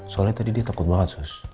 soalnya tadi dia takut banget sih